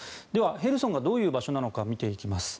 ヘルソンがどういう場所なのか見ていきます。